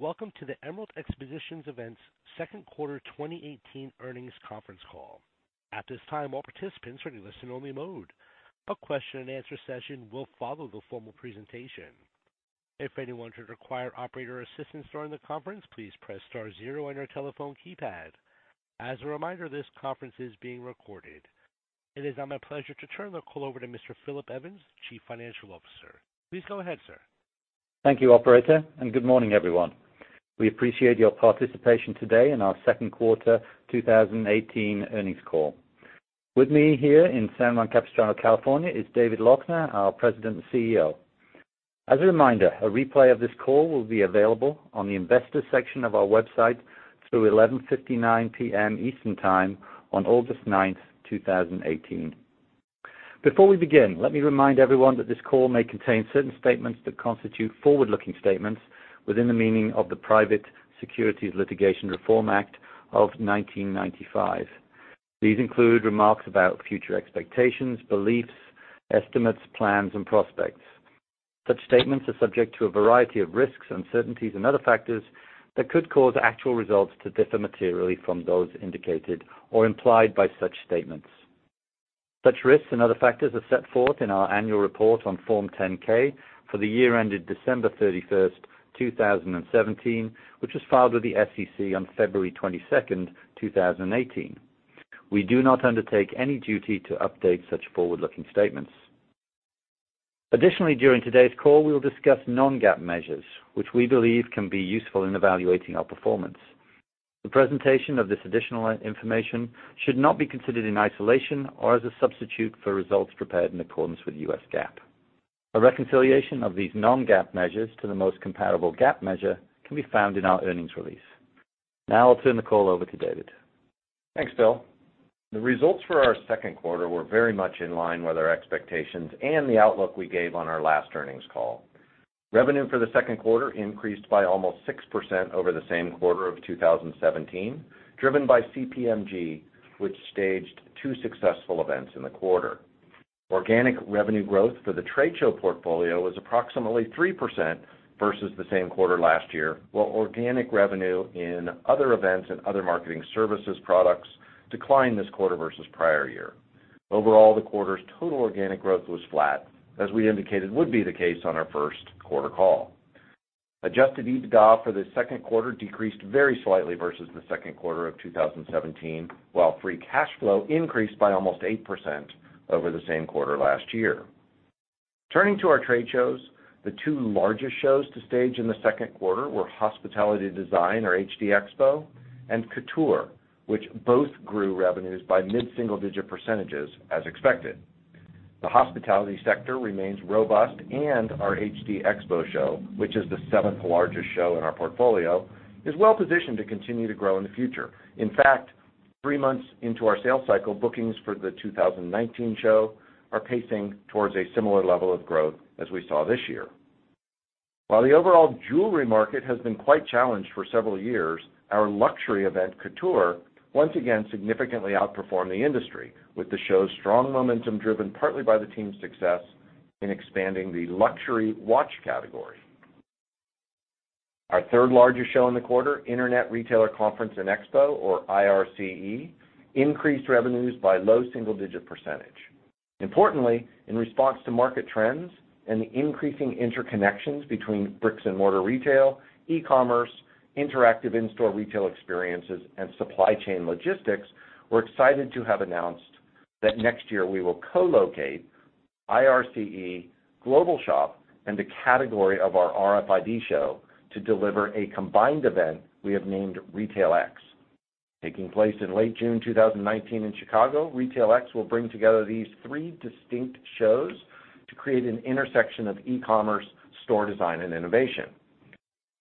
Welcome to the Emerald Expositions Events second quarter 2018 earnings conference call. At this time, all participants are in listen-only mode. A question-and-answer session will follow the formal presentation. If anyone should require operator assistance during the conference, please press star zero on your telephone keypad. As a reminder, this conference is being recorded. It is now my pleasure to turn the call over to Mr. Philip Evans, Chief Financial Officer. Please go ahead, sir. Thank you, operator. Good morning, everyone. We appreciate your participation today in our second quarter 2018 earnings call. With me here in San Juan Capistrano, California, is David Loechner, our President and CEO. As a reminder, a replay of this call will be available on the Investors section of our website through 11:59 P.M. Eastern Time on August 9th, 2018. Before we begin, let me remind everyone that this call may contain certain statements that constitute forward-looking statements within the meaning of the Private Securities Litigation Reform Act of 1995. These include remarks about future expectations, beliefs, estimates, plans, and prospects. Such statements are subject to a variety of risks, uncertainties, and other factors that could cause actual results to differ materially from those indicated or implied by such statements. Such risks and other factors are set forth in our annual report on Form 10-K for the year ended December 31st, 2017, which was filed with the SEC on February 22nd, 2018. We do not undertake any duty to update such forward-looking statements. Additionally, during today's call, we will discuss non-GAAP measures, which we believe can be useful in evaluating our performance. The presentation of this additional information should not be considered in isolation or as a substitute for results prepared in accordance with U.S. GAAP. A reconciliation of these non-GAAP measures to the most comparable GAAP measure can be found in our earnings release. I'll turn the call over to David. Thanks, Phil. The results for our second quarter were very much in line with our expectations and the outlook we gave on our last earnings call. Revenue for the second quarter increased by almost 6% over the same quarter of 2017, driven by CPMG, which staged two successful events in the quarter. Organic revenue growth for the trade show portfolio was approximately 3% versus the same quarter last year, while organic revenue in other events and other marketing services products declined this quarter versus prior year. Overall, the quarter's total organic growth was flat, as we indicated would be the case on our first quarter call. Adjusted EBITDA for the second quarter decreased very slightly versus the second quarter of 2017, while free cash flow increased by almost 8% over the same quarter last year. Turning to our trade shows, the two largest shows to stage in the second quarter were Hospitality Design, or HD Expo, and COUTURE, which both grew revenues by mid-single digit %, as expected. The hospitality sector remains robust, and our HD Expo show, which is the seventh-largest show in our portfolio, is well-positioned to continue to grow in the future. In fact, three months into our sales cycle, bookings for the 2019 show are pacing towards a similar level of growth as we saw this year. While the overall jewelry market has been quite challenged for several years, our luxury event, COUTURE, once again significantly outperformed the industry, with the show's strong momentum driven partly by the team's success in expanding the luxury watch category. Our third-largest show in the quarter, Internet Retailer Conference and Expo, or IRCE, increased revenues by low single-digit %. In response to market trends and the increasing interconnections between bricks-and-mortar retail, e-commerce, interactive in-store retail experiences, and supply chain logistics, we're excited to have announced that next year we will co-locate IRCE, GlobalShop, and a category of our RFID show to deliver a combined event we have named RetailX. Taking place in late June 2019 in Chicago, RetailX will bring together these three distinct shows to create an intersection of e-commerce, store design, and innovation.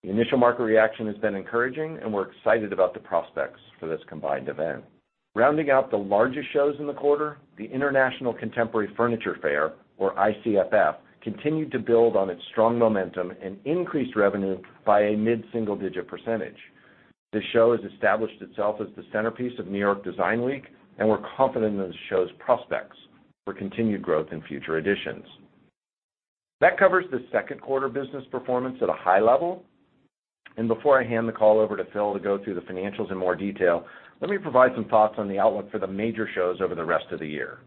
The initial market reaction has been encouraging, and we're excited about the prospects for this combined event. Rounding out the largest shows in the quarter, the International Contemporary Furniture Fair, or ICFF, continued to build on its strong momentum and increased revenue by a mid-single digit %. This show has established itself as the centerpiece of New York Design Week, and we're confident in the show's prospects for continued growth in future editions. That covers the second quarter business performance at a high level. Before I hand the call over to Phil to go through the financials in more detail, let me provide some thoughts on the outlook for the major shows over the rest of the year.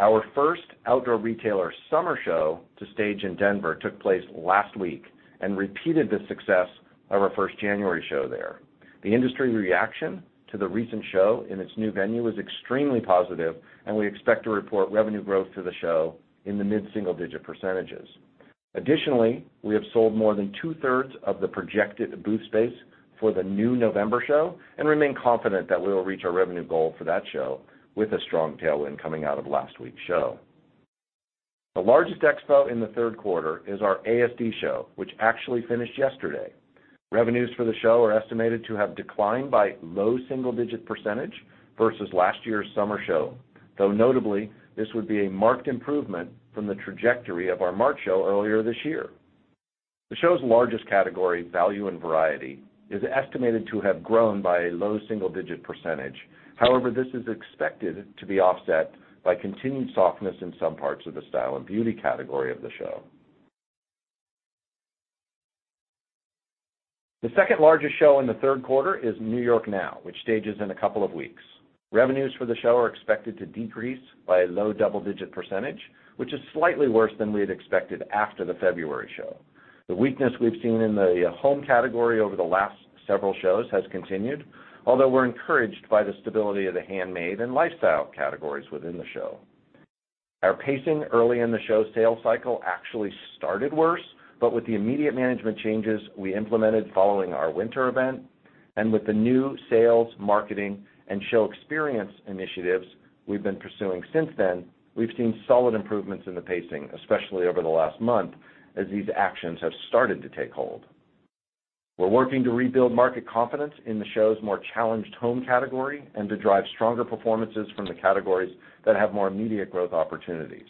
Our first Outdoor Retailer summer show to stage in Denver took place last week and repeated the success of our first January show there. The industry reaction to the recent show in its new venue was extremely positive, and we expect to report revenue growth for the show in the mid-single digit %. We have sold more than two-thirds of the projected booth space for the new November show and remain confident that we will reach our revenue goal for that show with a strong tailwind coming out of last week's show. The largest expo in the third quarter is our ASD show, which actually finished yesterday. Revenues for the show are estimated to have declined by low single-digit % versus last year's summer show, though notably, this would be a marked improvement from the trajectory of our March show earlier this year. The show's largest category, value and variety, is estimated to have grown by a low single-digit %. However, this is expected to be offset by continued softness in some parts of the style and beauty category of the show. The second-largest show in the third quarter is NY NOW, which stages in a couple of weeks. Revenues for the show are expected to decrease by a low double-digit %, which is slightly worse than we had expected after the February show. The weakness we've seen in the home category over the last several shows has continued, although we're encouraged by the stability of the handmade and lifestyle categories within the show. Our pacing early in the show sales cycle actually started worse, but with the immediate management changes we implemented following our winter event, and with the new sales, marketing, and show experience initiatives we've been pursuing since then, we've seen solid improvements in the pacing, especially over the last month, as these actions have started to take hold. We're working to rebuild market confidence in the show's more challenged home category and to drive stronger performances from the categories that have more immediate growth opportunities.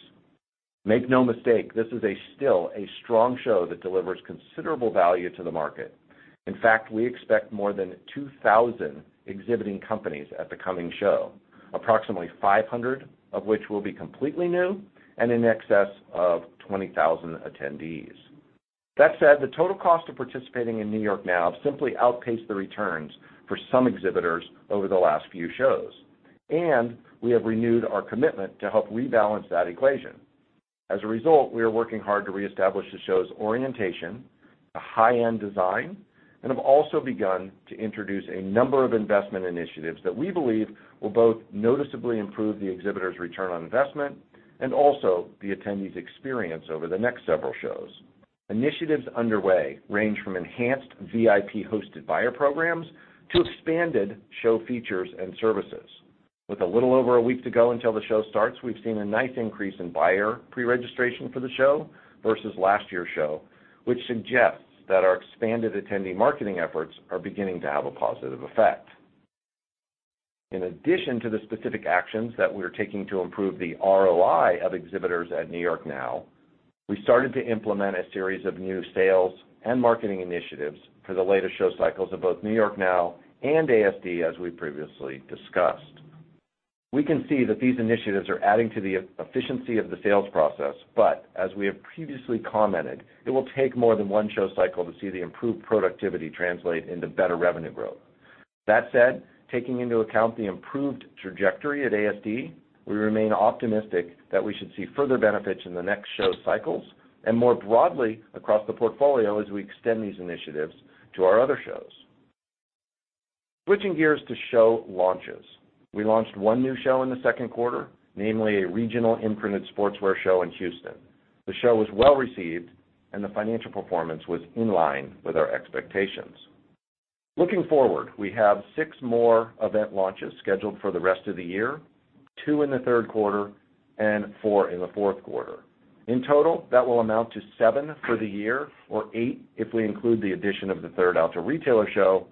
Make no mistake, this is still a strong show that delivers considerable value to the market. In fact, we expect more than 2,000 exhibiting companies at the coming show, approximately 500 of which will be completely new and in excess of 20,000 attendees. That said, the total cost of participating in NY NOW simply outpaced the returns for some exhibitors over the last few shows, and we have renewed our commitment to help rebalance that equation. As a result, we are working hard to reestablish the show's orientation, the high-end design, and have also begun to introduce a number of investment initiatives that we believe will both noticeably improve the exhibitor's ROI and also the attendees' experience over the next several shows. Initiatives underway range from enhanced VIP-hosted buyer programs to expanded show features and services. With a little over a week to go until the show starts, we've seen a nice increase in buyer pre-registration for the show versus last year's show, which suggests that our expanded attendee marketing efforts are beginning to have a positive effect. In addition to the specific actions that we're taking to improve the ROI of exhibitors at NY NOW, we started to implement a series of new sales and marketing initiatives for the later show cycles of both NY NOW and ASD, as we previously discussed. We can see that these initiatives are adding to the efficiency of the sales process, but as we have previously commented, it will take more than one show cycle to see the improved productivity translate into better revenue growth. That said, taking into account the improved trajectory at ASD, we remain optimistic that we should see further benefits in the next show cycles and more broadly across the portfolio as we extend these initiatives to our other shows. Switching gears to show launches. We launched one new show in the second quarter, namely a regional imprinted sportswear show in Houston. The show was well-received, and the financial performance was in line with our expectations. Looking forward, we have 6 more event launches scheduled for the rest of the year, two in the third quarter and four in the fourth quarter. In total, that will amount to 7 for the year, or 8 if we include the addition of the third Outdoor Retailer show,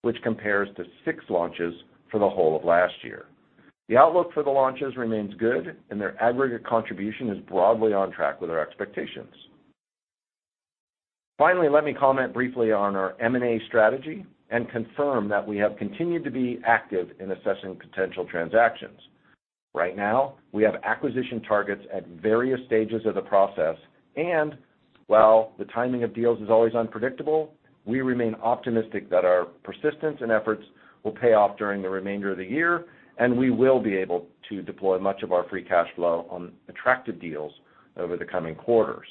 which compares to 6 launches for the whole of last year. The outlook for the launches remains good. Their aggregate contribution is broadly on track with our expectations. Finally, let me comment briefly on our M&A strategy and confirm that we have continued to be active in assessing potential transactions. Right now, we have acquisition targets at various stages of the process. While the timing of deals is always unpredictable, we remain optimistic that our persistence and efforts will pay off during the remainder of the year, and we will be able to deploy much of our free cash flow on attractive deals over the coming quarters.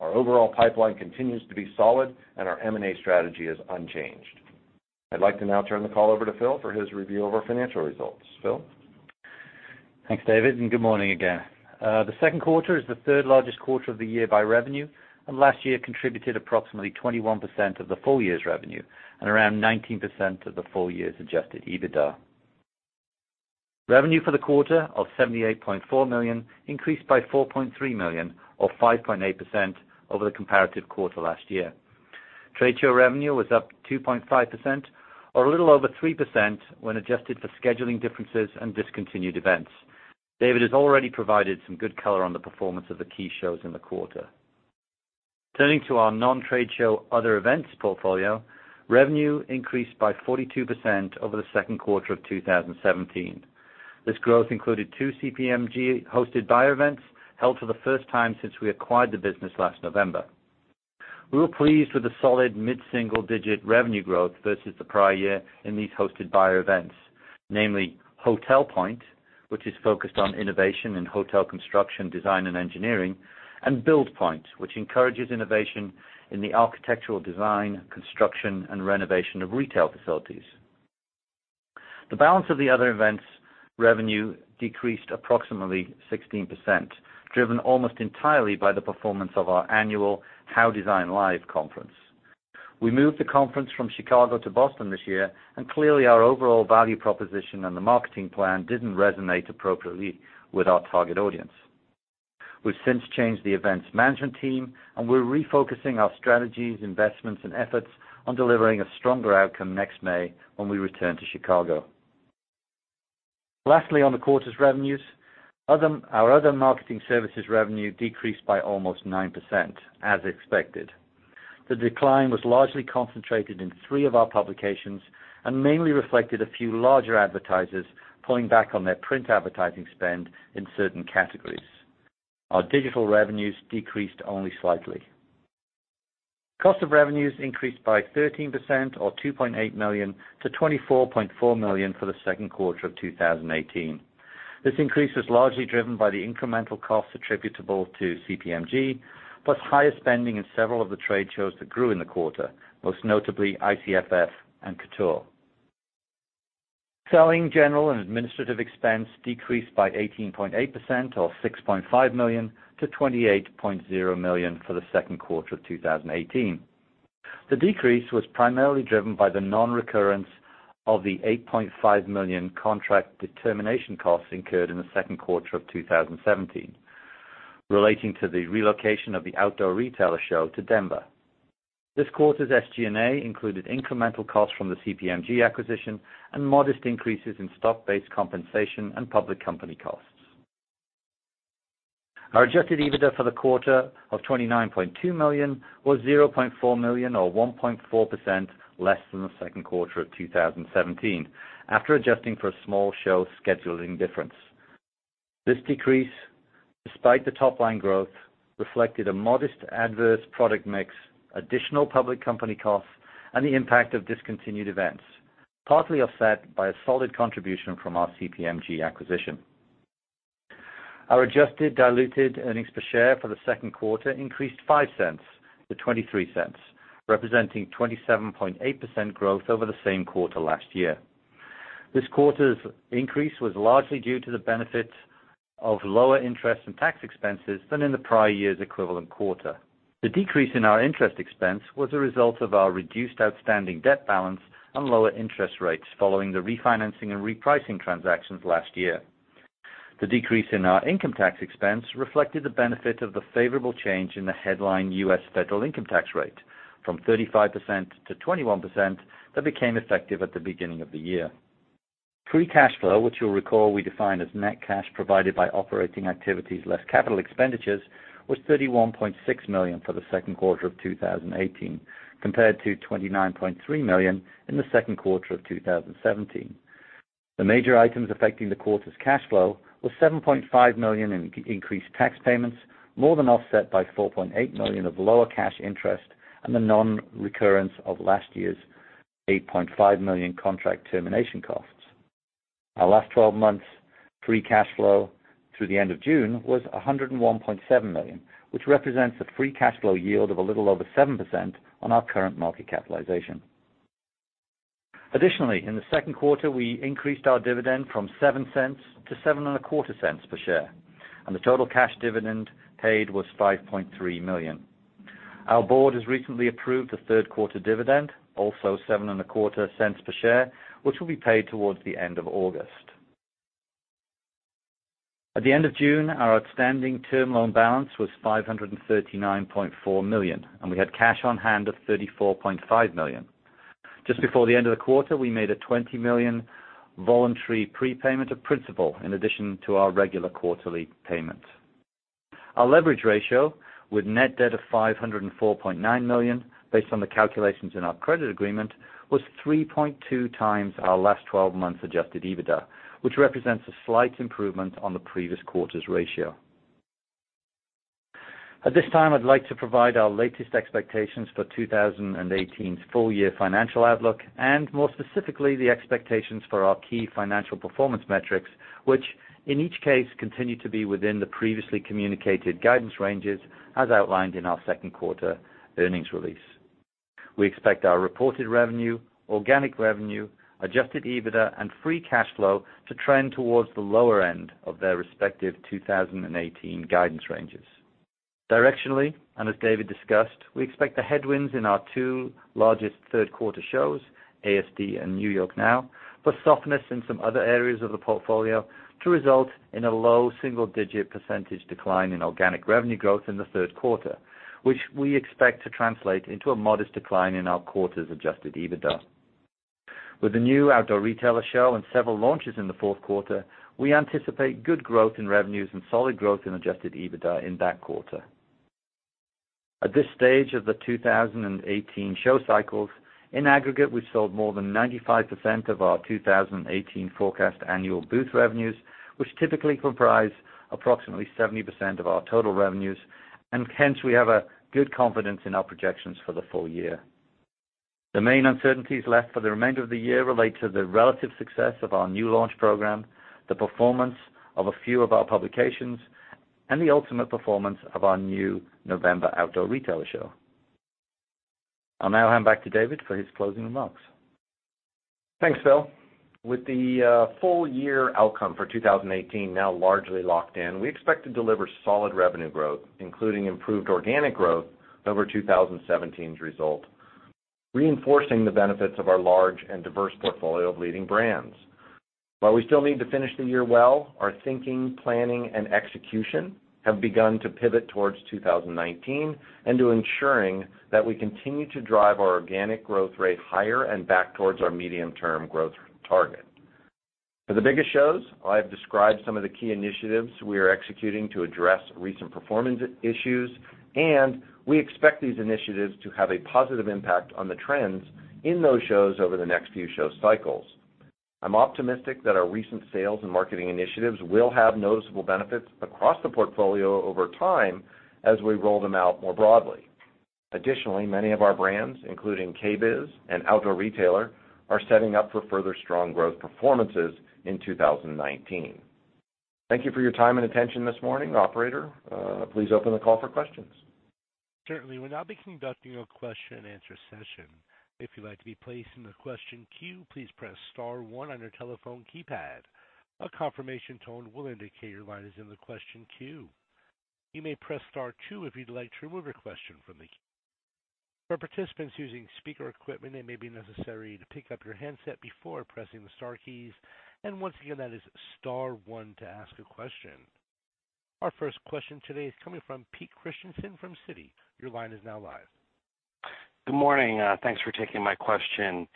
Our overall pipeline continues to be solid. Our M&A strategy is unchanged. I'd like to now turn the call over to Phil for his review of our financial results. Phil? Thanks, David. Good morning again. The second quarter is the third-largest quarter of the year by revenue. Last year contributed approximately 21% of the full year's revenue and around 19% of the full year's Adjusted EBITDA. Revenue for the quarter of $78.4 million increased by $4.3 million or 5.8% over the comparative quarter last year. Trade show revenue was up 2.5%, or a little over 3% when adjusted for scheduling differences and discontinued events. David has already provided some good color on the performance of the key shows in the quarter. Turning to our non-trade show Other Events portfolio, revenue increased by 42% over the second quarter of 2017. This growth included two CPMG-hosted buyer events held for the first time since we acquired the business last November. We were pleased with the solid mid-single-digit revenue growth versus the prior year in these hosted buyer events, namely HotelPoint, which is focused on innovation in hotel construction, design, and engineering. BuildPoint, which encourages innovation in the architectural design, construction, and renovation of retail facilities. The balance of the Other Events revenue decreased approximately 16%, driven almost entirely by the performance of our annual HOW Design Live conference. We moved the conference from Chicago to Boston this year. Clearly our overall value proposition and the marketing plan didn't resonate appropriately with our target audience. We've since changed the events management team, and we're refocusing our strategies, investments, and efforts on delivering a stronger outcome next May when we return to Chicago. Lastly, on the quarter's revenues, our Other marketing services revenue decreased by almost 9%, as expected. The decline was largely concentrated in three of our publications and mainly reflected a few larger advertisers pulling back on their print advertising spend in certain categories. Our digital revenues decreased only slightly. Cost of revenues increased by 13% or $2.8 million to $24.4 million for the second quarter of 2018. This increase was largely driven by the incremental costs attributable to CPMG, plus higher spending in several of the trade shows that grew in the quarter, most notably ICFF and COUTURE. Selling, general, and administrative expense decreased by 18.8%, or $6.5 million, to $28.0 million for the second quarter of 2018. The decrease was primarily driven by the non-recurrence of the $8.5 million contract termination costs incurred in the second quarter of 2017, relating to the relocation of the Outdoor Retailer show to Denver. This quarter's SG&A included incremental costs from the CPMG acquisition and modest increases in stock-based compensation and public company costs. Our Adjusted EBITDA for the quarter of $29.2 million was $0.4 million or 1.4% less than the second quarter of 2017, after adjusting for a small show scheduling difference. This decrease, despite the top-line growth, reflected a modest adverse product mix, additional public company costs, and the impact of discontinued events, partly offset by a solid contribution from our CPMG acquisition. Our Adjusted Diluted Earnings Per Share for the second quarter increased $0.05 to $0.23, representing 27.8% growth over the same quarter last year. This quarter's increase was largely due to the benefit of lower interest and tax expenses than in the prior year's equivalent quarter. The decrease in our interest expense was a result of our reduced outstanding debt balance and lower interest rates following the refinancing and repricing transactions last year. The decrease in our income tax expense reflected the benefit of the favorable change in the headline U.S. federal income tax rate from 35% to 21% that became effective at the beginning of the year. Free cash flow, which you'll recall we define as net cash provided by operating activities less capital expenditures, was $31.6 million for the second quarter of 2018, compared to $29.3 million in the second quarter of 2017. The major items affecting the quarter's cash flow were $7.5 million in increased tax payments, more than offset by $4.8 million of lower cash interest, and the non-recurrence of last year's $8.5 million contract termination costs. Our last 12 months free cash flow through the end of June was $101.7 million, which represents a free cash flow yield of a little over 7% on our current market capitalization. Additionally, in the second quarter, we increased our dividend from $0.07 to $0.0725 per share, and the total cash dividend paid was $5.3 million. Our board has recently approved the third-quarter dividend, also $0.0725 per share, which will be paid towards the end of August. At the end of June, our outstanding term loan balance was $539.4 million, and we had cash on hand of $34.5 million. Just before the end of the quarter, we made a $20 million voluntary prepayment of principal in addition to our regular quarterly payments. Our leverage ratio with net debt of $504.9 million, based on the calculations in our credit agreement, was 3.2 times our last 12 months Adjusted EBITDA, which represents a slight improvement on the previous quarter's ratio. At this time, I'd like to provide our latest expectations for 2018's full-year financial outlook, and more specifically, the expectations for our key financial performance metrics, which in each case, continue to be within the previously communicated guidance ranges as outlined in our second quarter earnings release. We expect our reported revenue, organic revenue, Adjusted EBITDA, and free cash flow to trend towards the lower end of their respective 2018 guidance ranges. Directionally, as David discussed, we expect the headwinds in our two largest third-quarter shows, ASD and NY NOW, but softness in some other areas of the portfolio to result in a low single-digit % decline in organic revenue growth in the third quarter, which we expect to translate into a modest decline in our quarter's Adjusted EBITDA. With the new Outdoor Retailer show and several launches in the fourth quarter, we anticipate good growth in revenues and solid growth in Adjusted EBITDA in that quarter. At this stage of the 2018 show cycles, in aggregate, we've sold more than 95% of our 2018 forecast annual booth revenues, which typically comprise approximately 70% of our total revenues. Hence we have a good confidence in our projections for the full year. The main uncertainties left for the remainder of the year relate to the relative success of our new launch program, the performance of a few of our publications, and the ultimate performance of our new November Outdoor Retailer show. I'll now hand back to David for his closing remarks. Thanks, Phil. With the full-year outcome for 2018 now largely locked in, we expect to deliver solid revenue growth, including improved organic growth over 2017's result, reinforcing the benefits of our large and diverse portfolio of leading brands. While we still need to finish the year well, our thinking, planning, and execution have begun to pivot towards 2019 and to ensuring that we continue to drive our organic growth rate higher and back towards our medium-term growth target. For the biggest shows, I have described some of the key initiatives we are executing to address recent performance issues. We expect these initiatives to have a positive impact on the trends in those shows over the next few show cycles. I'm optimistic that our recent sales and marketing initiatives will have noticeable benefits across the portfolio over time as we roll them out more broadly. Additionally, many of our brands, including KBIS and Outdoor Retailer, are setting up for further strong growth performances in 2019. Thank you for your time and attention this morning. Operator, please open the call for questions. Certainly. We'll now be conducting a question and answer session. If you'd like to be placed in the question queue, please press star one on your telephone keypad. A confirmation tone will indicate your line is in the question queue. You may press star two if you'd like to remove a question from the queue. For participants using speaker equipment, it may be necessary to pick up your handset before pressing the star keys. Once again, that is star one to ask a question. Our first question today is coming from Peter Christiansen from Citi. Your line is now live. Good morning. Thanks for taking my question.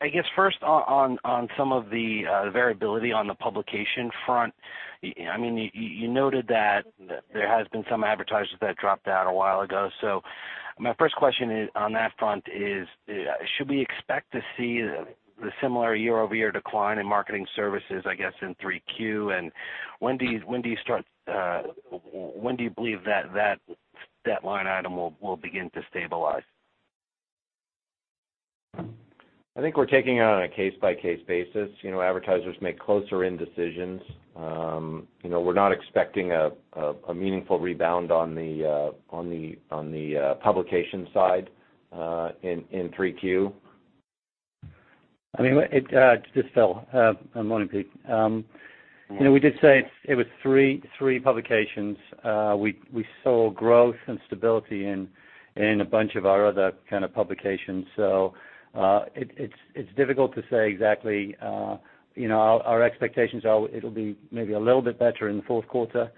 I guess first on some of the variability on the publication front, you noted that there has been some advertisers that dropped out a while ago. My first question on that front is, should we expect to see the similar year-over-year decline in marketing services, I guess, in three Q? When do you believe that line item will begin to stabilize? I think we're taking it on a case-by-case basis. Advertisers make closer end decisions. We're not expecting a meaningful rebound on the publication side in three Q. This is Phil. Morning, Pete. Morning. We did say it was three publications. We saw growth and stability in a bunch of our other kind of publications. It's difficult to say exactly. Our expectations are it'll be maybe a little bit better in the fourth quarter.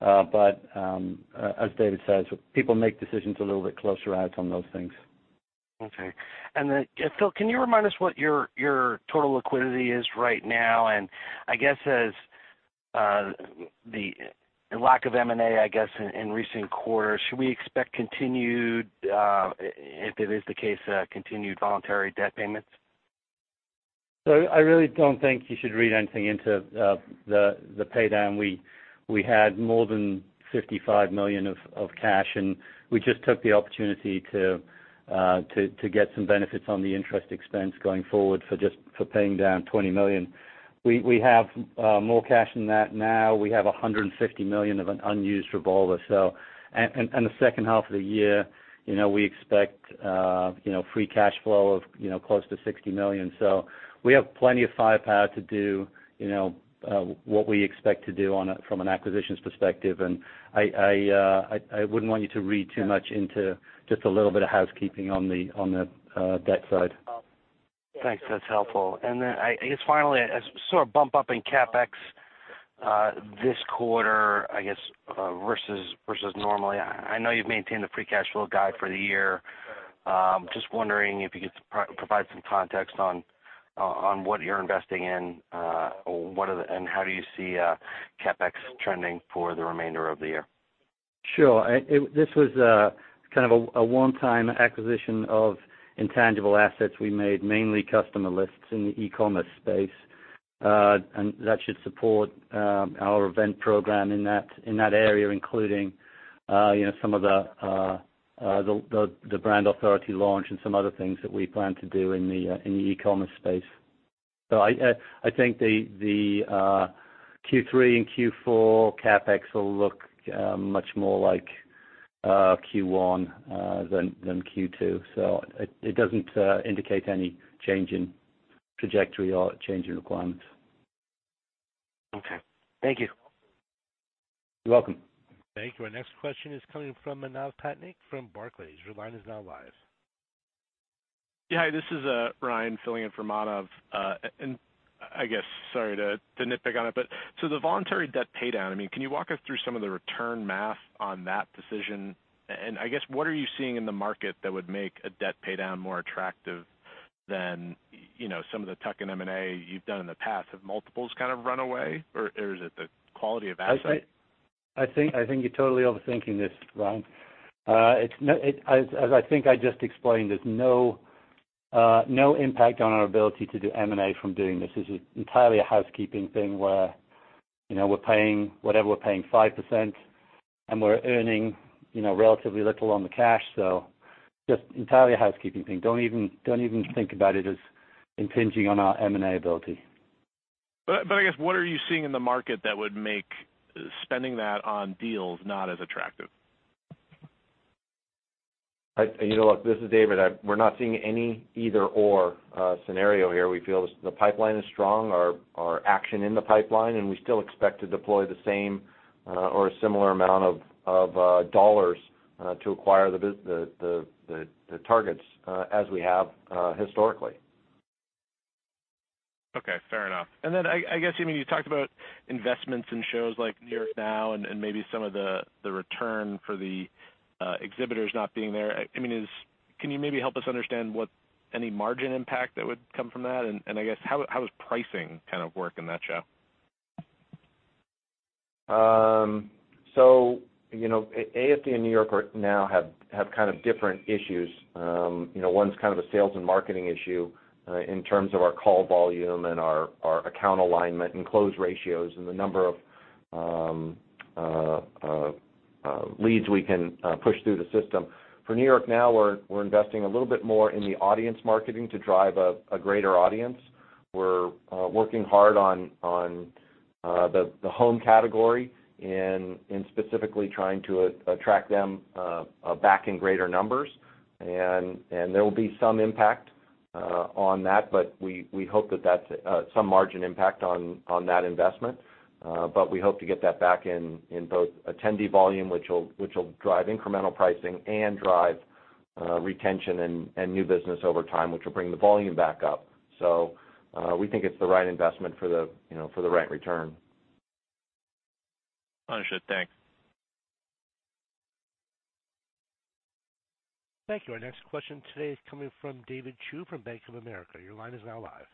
As David says, people make decisions a little bit closer out on those things. Okay. Phil, can you remind us what your total liquidity is right now? I guess as the lack of M&A in recent quarters, should we expect, if it is the case, continued voluntary debt payments? I really don't think you should read anything into the pay down. We had more than $55 million of cash, we just took the opportunity to get some benefits on the interest expense going forward for just for paying down $20 million. We have more cash than that now. We have $150 million of an unused revolver. In the second half of the year, we expect free cash flow of close to $60 million. We have plenty of firepower to do what we expect to do from an acquisitions perspective, I wouldn't want you to read too much into just a little bit of housekeeping on the debt side. Thanks. That's helpful. I guess finally, I saw a bump up in CapEx this quarter versus normally. I know you've maintained the free cash flow guide for the year. Just wondering if you could provide some context on what you're investing in, how do you see CapEx trending for the remainder of the year? Sure. This was kind of a one-time acquisition of intangible assets we made, mainly customer lists in the e-commerce space. That should support our event program in that area, including some of the brand authority launch and some other things that we plan to do in the e-commerce space. I think the Q3 and Q4 CapEx will look much more like Q1 than Q2. It doesn't indicate any change in trajectory or change in requirements. Okay. Thank you. You're welcome. Thank you. Our next question is coming from Manav Patnaik from Barclays. Your line is now live. Hi, this is Ryan filling in for Manav. I guess, sorry to nitpick on it, the voluntary debt pay down, can you walk us through some of the return math on that decision? I guess what are you seeing in the market that would make a debt pay down more attractive than some of the tuck-in M&A you've done in the past? Have multiples kind of run away, or is it the quality of asset? I think you're totally overthinking this, Ryan. As I think I just explained, there's no impact on our ability to do M&A from doing this. This is entirely a housekeeping thing where we're paying whatever we're paying 5%, and we're earning relatively little on the cash. Just entirely a housekeeping thing. Don't even think about it as impinging on our M&A ability. I guess what are you seeing in the market that would make spending that on deals not as attractive? Look, this is David. We're not seeing any either/or scenario here. We feel the pipeline is strong, our action in the pipeline, and we still expect to deploy the same or a similar amount of dollars to acquire the targets as we have historically. Okay, fair enough. I guess you talked about investments in shows like NY NOW and maybe some of the return for the exhibitors not being there. Can you maybe help us understand any margin impact that would come from that? I guess how is pricing kind of work in that show? ASD and NY NOW have kind of different issues. One's kind of a sales and marketing issue in terms of our call volume and our account alignment and close ratios and the number of leads we can push through the system. For NY NOW, we're investing a little bit more in the audience marketing to drive a greater audience. We're working hard on the home category and specifically trying to attract them back in greater numbers. There will be some impact on that, but we hope that that's some margin impact on that investment. We hope to get that back in both attendee volume, which will drive incremental pricing, and drive retention and new business over time, which will bring the volume back up. We think it's the right investment for the right return. Understood. Thanks. Thank you. Our next question today is coming from David Chu from Bank of America. Your line is now live.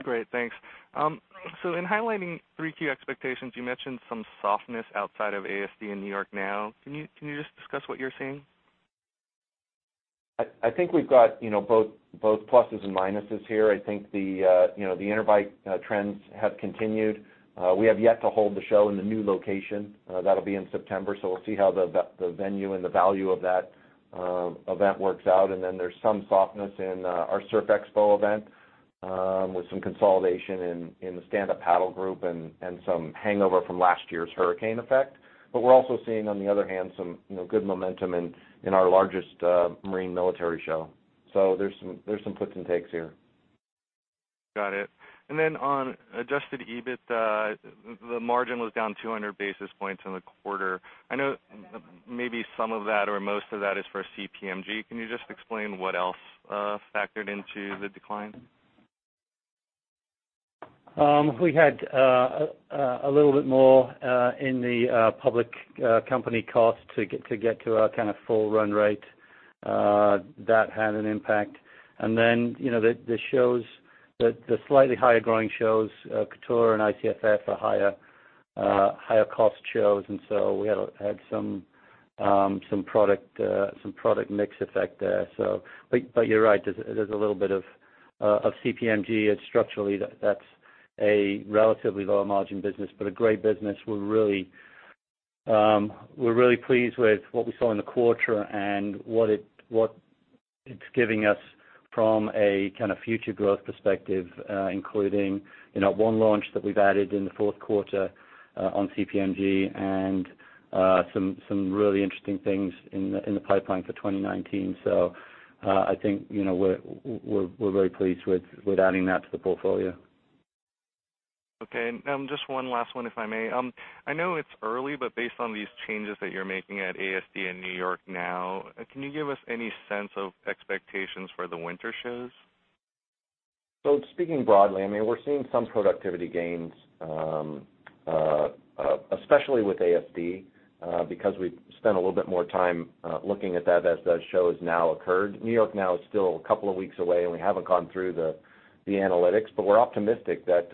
Great, thanks. In highlighting 3Q expectations, you mentioned some softness outside of ASD in NY NOW. Can you just discuss what you're seeing? I think we've got both pluses and minuses here. I think the Interbike trends have continued. We have yet to hold the show in the new location. That'll be in September, we'll see how the venue and the value of that event works out. There's some softness in our Surf Expo event, with some consolidation in the stand-up paddle group and some hangover from last year's hurricane effect. We're also seeing, on the other hand, some good momentum in our largest marine military show. There's some puts and takes here. Got it. On Adjusted EBIT, the margin was down 200 basis points in the quarter. I know maybe some of that or most of that is for CPMG. Can you just explain what else factored into the decline? We had a little bit more in the public company cost to get to our kind of full run rate. That had an impact. The slightly higher growing shows, COUTURE and ICFF, are higher-cost shows, we had some product mix effect there. You're right, there's a little bit of CPMG. Structurally, that's a relatively lower margin business, but a great business. We're really pleased with what we saw in the quarter and what it's giving us from a kind of future growth perspective, including one launch that we've added in the fourth quarter on CPMG and some really interesting things in the pipeline for 2019. I think we're very pleased with adding that to the portfolio. Okay. Just one last one, if I may. I know it's early, based on these changes that you're making at ASD and NY NOW, can you give us any sense of expectations for the winter shows? Speaking broadly, we're seeing some productivity gains, especially with ASD, because we've spent a little bit more time looking at that as the shows now occurred. NY NOW is still a couple of weeks away, and we haven't gone through the analytics, but we're optimistic that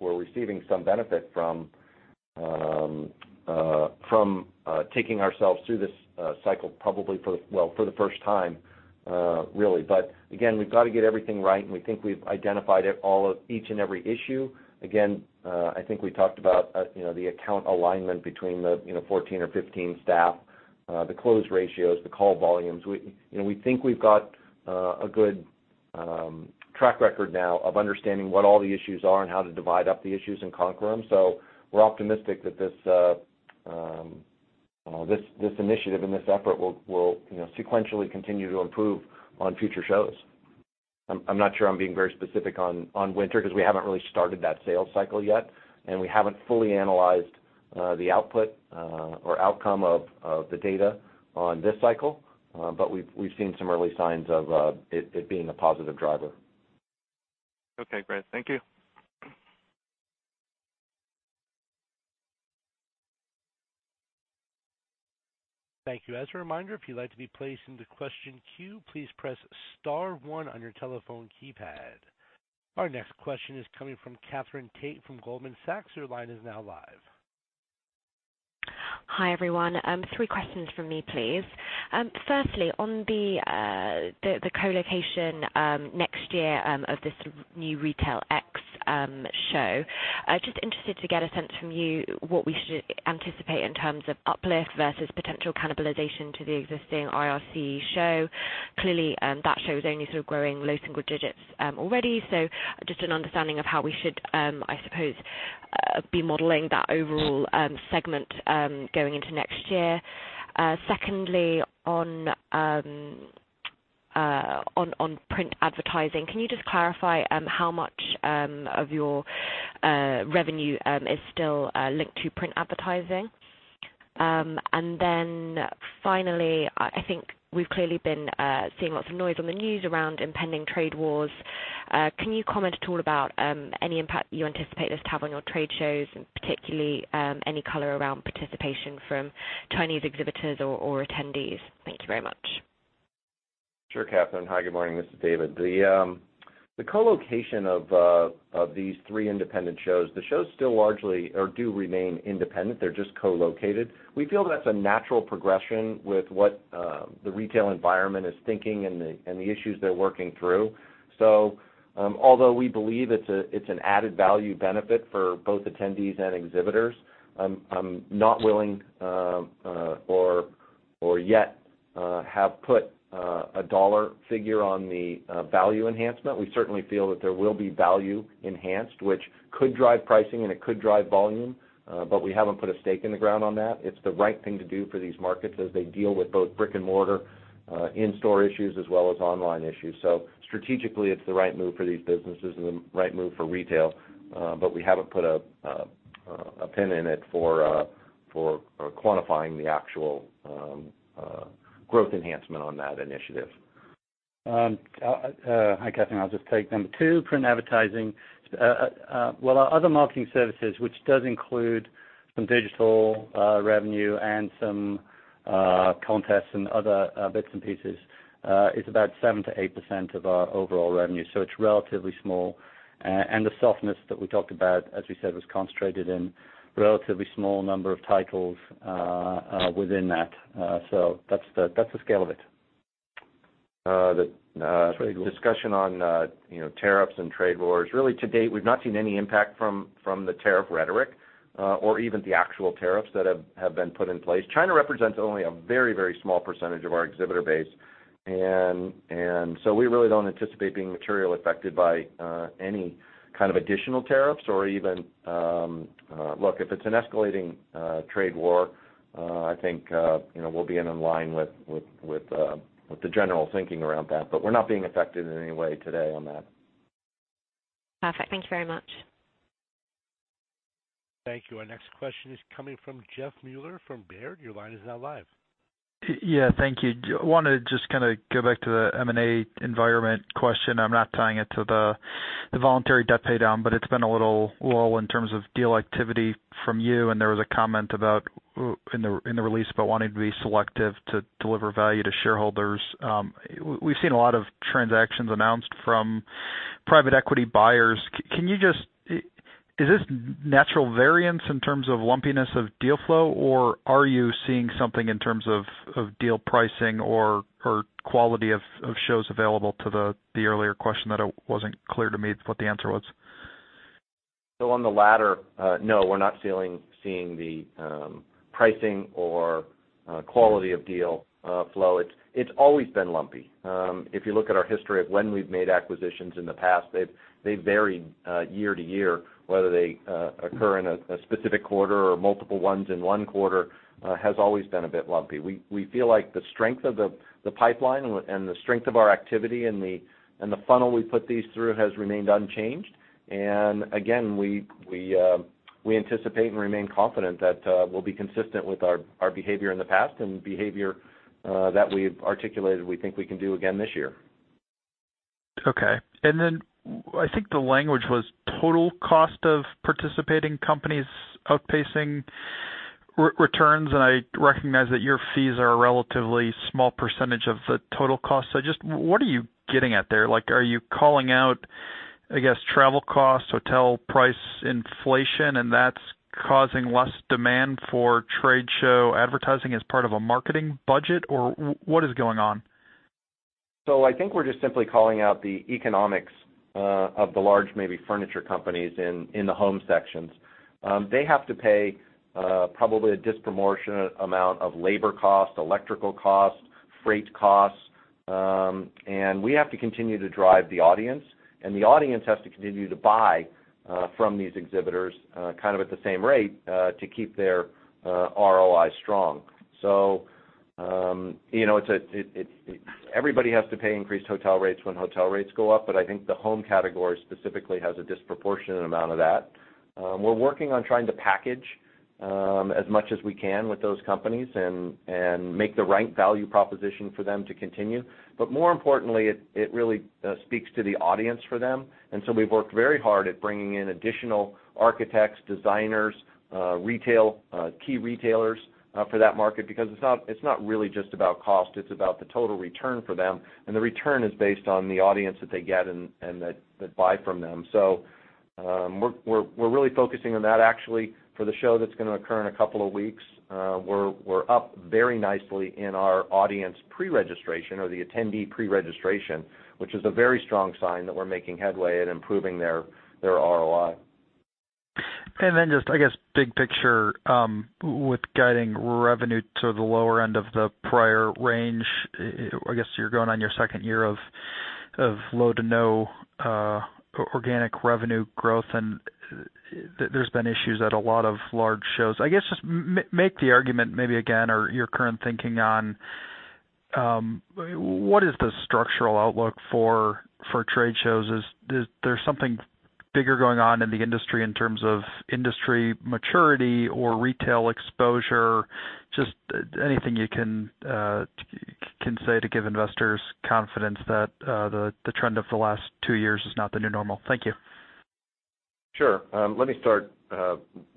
we're receiving some benefit from taking ourselves through this cycle probably for the first time, really. Again, we've got to get everything right, and we think we've identified each and every issue. Again, I think we talked about the account alignment between the 14 or 15 staff, the close ratios, the call volumes. We think we've got a good track record now of understanding what all the issues are and how to divide up the issues and conquer them. We're optimistic that this initiative and this effort will sequentially continue to improve on future shows. I'm not sure I'm being very specific on winter because we haven't really started that sales cycle yet, and we haven't fully analyzed the output or outcome of the data on this cycle. We've seen some early signs of it being a positive driver. Okay, great. Thank you. Thank you. As a reminder, if you'd like to be placed into question queue, please press *1 on your telephone keypad. Our next question is coming from Katherine Tait from Goldman Sachs. Your line is now live. Hi, everyone. Three questions from me, please. Firstly, on the co-location next year of this new RetailX show, just interested to get a sense from you what we should anticipate in terms of uplift versus potential cannibalization to the existing IRCE show. Clearly, that show is only sort of growing low single digits already, so just an understanding of how we should, I suppose, be modeling that overall segment going into next year. Secondly, on print advertising, can you just clarify how much of your revenue is still linked to print advertising? Finally, I think we've clearly been seeing lots of noise on the news around impending trade wars. Can you comment at all about any impact you anticipate this to have on your trade shows, and particularly any color around participation from Chinese exhibitors or attendees? Thank you very much. Sure, Katherine. Hi, good morning. This is David. The co-location of these three independent shows, the shows still largely or do remain independent, they're just co-located. We feel that's a natural progression with what the retail environment is thinking and the issues they're working through. Although we believe it's an added value benefit for both attendees and exhibitors, I'm not willing or yet have put a dollar figure on the value enhancement. We certainly feel that there will be value enhanced, which could drive pricing and it could drive volume, but we haven't put a stake in the ground on that. It's the right thing to do for these markets as they deal with both brick and mortar in-store issues as well as online issues. Strategically, it's the right move for these businesses and the right move for retail, but we haven't put a pin in it for quantifying the actual growth enhancement on that initiative. Hi, Katherine, I'll just take number 2, print advertising. Well, our other marketing services, which does include some digital revenue and some contests and other bits and pieces, is about 7%-8% of our overall revenue. It's relatively small, and the softness that we talked about, as we said, was concentrated in relatively small number of titles within that. That's the scale of it. The discussion on tariffs and trade wars, really to date, we've not seen any impact from the tariff rhetoric, or even the actual tariffs that have been put in place. China represents only a very small percentage of our exhibitor base. We really don't anticipate being materially affected by any kind of additional tariffs or even. Look, if it's an escalating trade war, I think we'll be in line with the general thinking around that. We're not being affected in any way today on that. Perfect. Thank you very much. Thank you. Our next question is coming from Jeffrey Meuler from Baird. Your line is now live. Thank you. I want to just go back to the M&A environment question. I'm not tying it to the voluntary debt pay down, but it's been a little lull in terms of deal activity from you, and there was a comment in the release about wanting to be selective to deliver value to shareholders. We've seen a lot of transactions announced from private equity buyers. Is this natural variance in terms of lumpiness of deal flow, or are you seeing something in terms of deal pricing or quality of shows available to the earlier question that it wasn't clear to me what the answer was? On the latter, no, we're not seeing the pricing or quality of deal flow. It's always been lumpy. If you look at our history of when we've made acquisitions in the past, they've varied year-to-year, whether they occur in a specific quarter or multiple ones in one quarter, has always been a bit lumpy. We feel like the strength of the pipeline and the strength of our activity and the funnel we put these through has remained unchanged. Again, we anticipate and remain confident that we'll be consistent with our behavior in the past and behavior that we've articulated we think we can do again this year. Okay. I think the language was total cost of participating companies outpacing returns, and I recognize that your fees are a relatively small percentage of the total cost. Just what are you getting at there? Are you calling out, I guess, travel costs, hotel price inflation, and that's causing less demand for trade show advertising as part of a marketing budget, or what is going on? I think we're just simply calling out the economics of the large, maybe furniture companies in the home sections. They have to pay probably a disproportionate amount of labor cost, electrical cost, freight costs, and we have to continue to drive the audience, and the audience has to continue to buy from these exhibitors, kind of at the same rate, to keep their ROI strong. Everybody has to pay increased hotel rates when hotel rates go up, but I think the home category specifically has a disproportionate amount of that. We're working on trying to package as much as we can with those companies and make the right value proposition for them to continue. More importantly, it really speaks to the audience for them. We've worked very hard at bringing in additional architects, designers, key retailers for that market because it's not really just about cost, it's about the total return for them, and the return is based on the audience that they get and that buy from them. We're really focusing on that actually for the show that's going to occur in a couple of weeks. We're up very nicely in our audience pre-registration or the attendee pre-registration, which is a very strong sign that we're making headway at improving their ROI. Just, I guess, big picture, with guiding revenue to the lower end of the prior range, I guess you're going on your second year of low to no organic revenue growth, and there's been issues at a lot of large shows. I guess, just make the argument maybe again or your current thinking on what is the structural outlook for trade shows? Is there something bigger going on in the industry in terms of industry maturity or retail exposure? Just anything you can say to give investors confidence that the trend of the last two years is not the new normal. Thank you. Sure. Let me start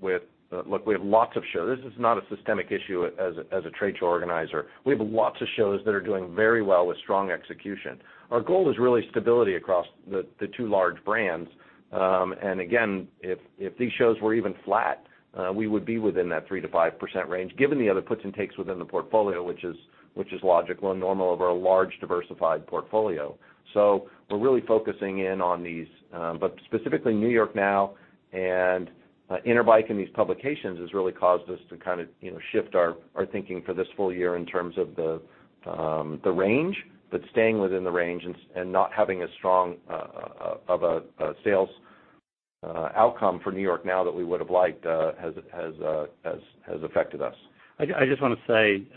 with, look, we have lots of shows. This is not a systemic issue as a trade show organizer. We have lots of shows that are doing very well with strong execution. Our goal is really stability across the two large brands. Again, if these shows were even flat, we would be within that 3%-5% range given the other puts and takes within the portfolio, which is logical and normal of our large diversified portfolio. We're really focusing in on these. Specifically NY NOW and Interbike and these publications has really caused us to kind of shift our thinking for this full year in terms of the range, but staying within the range and not having as strong of a sales outcome for NY NOW that we would've liked has affected us. I just want to say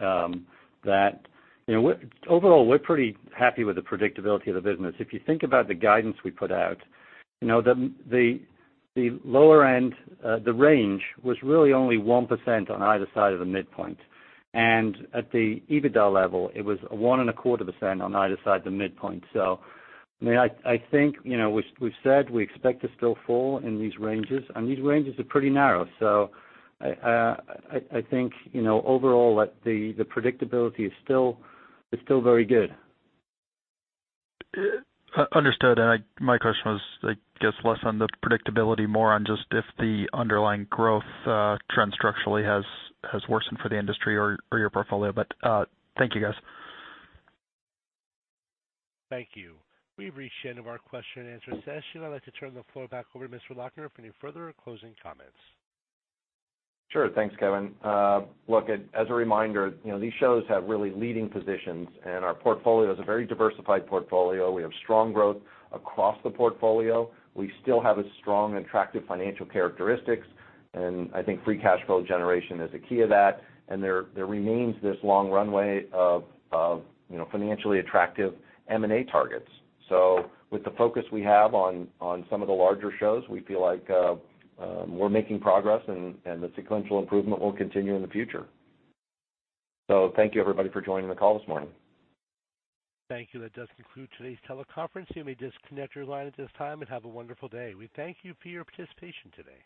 that overall, we're pretty happy with the predictability of the business. If you think about the guidance we put out, the lower end, the range was really only 1% on either side of the midpoint. At the EBITDA level, it was 1.25% on either side of the midpoint. I think, we've said we expect to still fall in these ranges, and these ranges are pretty narrow. I think, overall, the predictability is still very good. Understood. My question was, I guess, less on the predictability, more on just if the underlying growth trend structurally has worsened for the industry or your portfolio. Thank you, guys. Thank you. We've reached the end of our question and answer session. I'd like to turn the floor back over to Mr. Loechner for any further closing comments. Sure. Thanks, Kevin. Look, as a reminder, these shows have really leading positions. Our portfolio is a very diversified portfolio. We have strong growth across the portfolio. We still have a strong, attractive financial characteristics. I think free cash flow generation is a key of that. There remains this long runway of financially attractive M&A targets. With the focus we have on some of the larger shows, we feel like we're making progress, and the sequential improvement will continue in the future. Thank you, everybody, for joining the call this morning. Thank you. That does conclude today's teleconference. You may disconnect your line at this time. Have a wonderful day. We thank you for your participation today.